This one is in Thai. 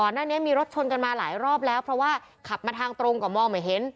หน้านี้มีรถชนกันมาหลายรอบแล้วเพราะว่าขับมาทางตรงก็มองไม่เห็น